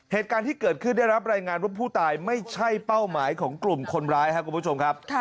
เหตุการณ์ที่เกิดขึ้นได้รับรายงานว่าผู้ตายไม่ใช่เป้าหมายของกลุ่มคนร้ายครับคุณผู้ชมครับ